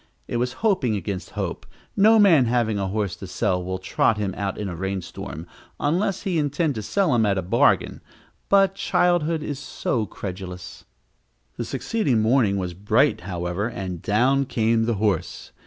It was hoping against hope; no man having a horse to sell will trot him out in a rainstorm, unless he intend to sell him at a bargain but childhood is so credulous! The succeeding morning was bright, however, and down came the horse.